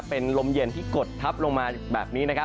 เป็นลมเย็นที่กดทับลงมาแบบนี้